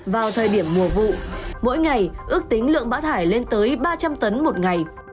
vào thời điểm mùa vụ mỗi ngày ước tính lượng bão thải lên tới ba trăm linh tấn một ngày